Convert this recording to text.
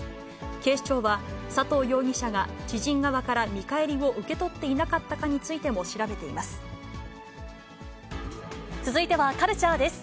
警視庁は、佐藤容疑者が知人側から見返りを受け取っていなかったかについて続いてはカルチャーです。